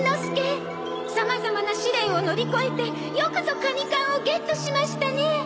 さまざまな試練を乗り越えてよくぞカニ缶をゲットしましたね！